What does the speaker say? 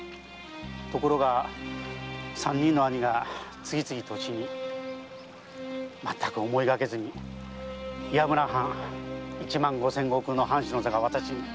ところが三人の兄が次々と死にまったく思いがけずに岩村藩一万五千石の藩主の座が私に。